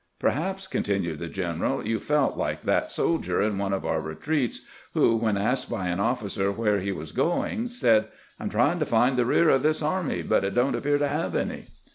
"Perbaps," continued tbe general, "you felt like tbat soldier in one of our retreats wbo, wben asked by an officer wbere be was going, said :' I 'm trying to find tbe rear of tbis army, but it don't appear to bave' any.'